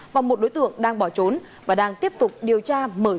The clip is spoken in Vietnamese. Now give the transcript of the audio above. và một đối tượng đang bỏ trốn và đang tiếp tục điều tra mở rộng chuyên án